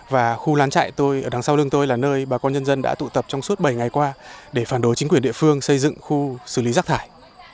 và khu lán chạy tôi ở đằng sau lưng tôi là nơi bà con nhân dân đã tụ tập trong suốt bảy ngày qua để phản đối chính quyền địa phương xây dựng khu xử lý rác thải